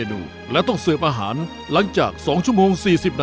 รอบคัดขนออก